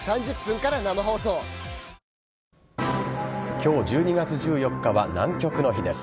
今日、１２月１４日は南極の日です。